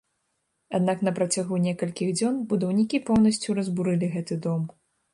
Аднак на працягу некалькіх дзён будаўнікі поўнасцю разбурылі гэты дом.